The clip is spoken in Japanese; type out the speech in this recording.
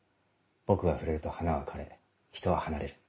僕が触れると花は枯れ人は離れる。